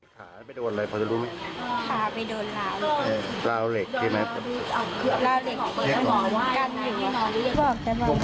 ขาไปโดนอะไรพ่อจะรู้ไหมขาไปโดนราวเหล็กราวเหล็กใช่ไหมราวเหล็ก